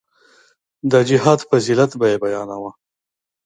د جهاد فضيلت به يې بياناوه.